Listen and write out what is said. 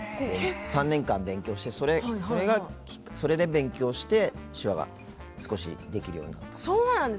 ３年間勉強してそれで勉強して手話が少しできるようになって。